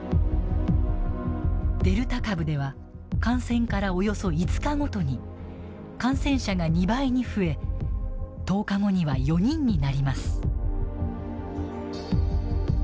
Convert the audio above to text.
デルタ株では感染から、およそ５日ごとに感染者が２倍に増え１０日後には４人になります。